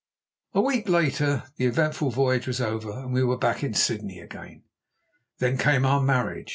A week later the eventful voyage was over, and we were back in Sydney again. Then came our marriage.